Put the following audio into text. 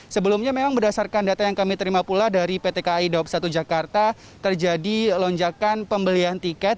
sebelumnya memang berdasarkan data yang kami terima pula dari pt kai daup satu jakarta terjadi lonjakan pembelian tiket